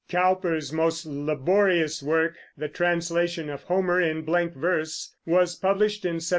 Cowper's most laborious work, the translation of Homer in blank verse, was published in 1791.